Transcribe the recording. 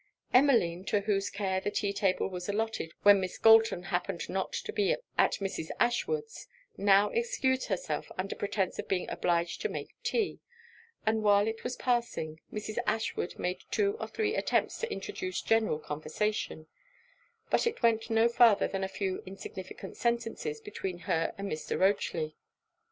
Emmeline, to whose care the tea table was allotted when Miss Galton happened not to be at Mrs. Ashwood's, now excused herself under pretence of being obliged to make tea; and while it was passing, Mrs. Ashwood made two or three attempts to introduce general conversation; but it went no farther than a few insignificant sentences between her and Mr. Rochely.